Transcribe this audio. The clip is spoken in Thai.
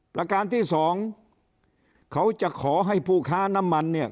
ประการที่สองเขาจะขอให้ผู้ค้าน้ำมันเนี่ย